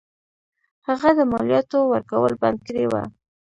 هغه د مالیاتو ورکول بند کړي وه.